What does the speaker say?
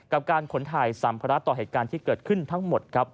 กับการขนถ่ายสัมภาระต่อเหตุการณ์ที่เกิดขึ้นทั้งหมดครับ